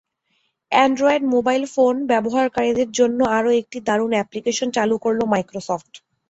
Android mobile phone ব্যবহারকারীদের জন্য আরও একটি দারুণ অ্যাপ্লিকেশন চালু করল মাইক্রোসফট।